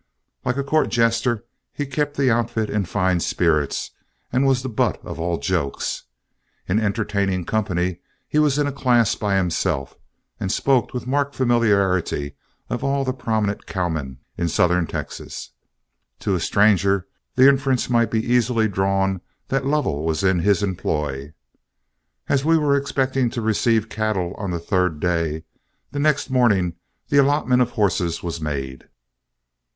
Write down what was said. Like a court jester, he kept the outfit in fine spirits and was the butt of all jokes. In entertaining company he was in a class by himself, and spoke with marked familiarity of all the prominent cowmen in southern Texas. To a stranger the inference might be easily drawn that Lovell was in his employ. As we were expecting to receive cattle on the third day, the next morning the allotment of horses was made.